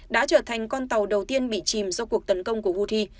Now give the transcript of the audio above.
đã trở thành con tàu đầu tiên bị chìm do cuộc tấn công của houthi